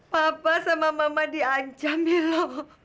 papa sama mama diancam milo